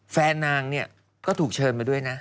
แฟนนางเนี่ยก็ถูกเชิญมาด้วยนะ